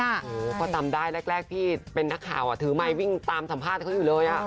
โอ้โหพอจำได้แรกพี่เป็นนักข่าวถือไมค์วิ่งตามสัมภาษณ์เขาอยู่เลย